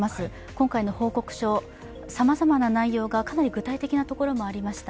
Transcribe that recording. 今回の報告書、さまざまな内容がかなり具体的なところもありました。